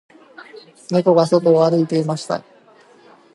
猫が外を歩いていました